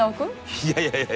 いやいやいや。